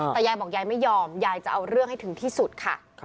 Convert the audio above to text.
แต่ยายบอกยายไม่ยอมยายจะเอาเรื่องให้ถึงที่สุดค่ะ